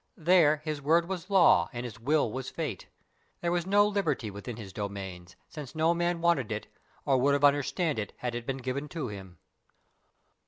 There his word was law, and his will was fate. There was no "liberty" within his domains, since no man wanted it, or would have understood it had it been given to him.